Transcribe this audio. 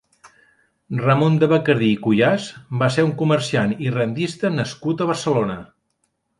Ramon de Bacardí i Cuyàs va ser un comerciant i rendista nascut a Barcelona.